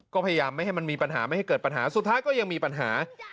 ก็พยายามไม่ให้มันมีปัญหาไม่ให้เกิดปัญหาสุดท้ายก็ยังมีปัญหา